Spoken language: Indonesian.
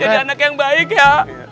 jadi anak yang baik ya